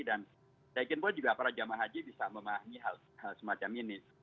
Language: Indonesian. dan saya kira juga para jamaah haji bisa memahami hal semacam ini